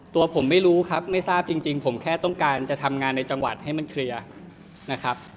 ตัวผมไม่รู้ครับไม่ทราบจริงผมแค่ต้องการจะทำงานในจังหวัดให้มันเคลียร์นะครับ